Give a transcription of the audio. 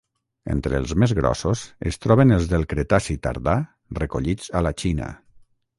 Entre els més grossos es troben els del Cretaci tardà recollits a la Xina.